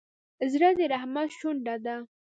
زړه د رحمت شونډه ده.